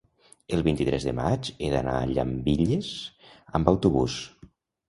el vint-i-tres de maig he d'anar a Llambilles amb autobús.